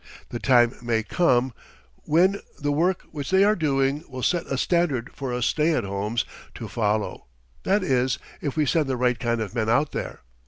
The time may come when the work which they are doing will set a standard for us stay at homes to follow, that is, if we send the right kind of men out there.